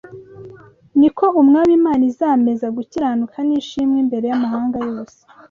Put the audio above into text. niko Umwami Imana izameza gukiranuka n’ishimwe imbere y’amahanga yose